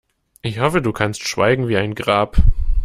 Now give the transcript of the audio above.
Ich hoffe, du kannst schweigen wie ein Grab.